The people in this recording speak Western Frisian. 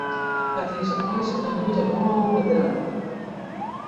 It is eins in út 'e hân rûne grap.